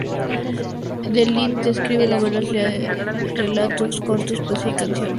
De Lint escribe novelas, relatos cortos, poesía y canciones.